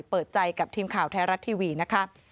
เปิดใจกับทีมข่าวไทยรัฐทีวีนะคะ